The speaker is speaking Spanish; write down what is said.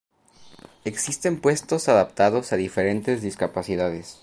Existen puestos adaptados a diferentes discapacidades.